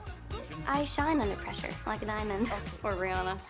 saya berkembang di bawah tekanan seperti sebuah perah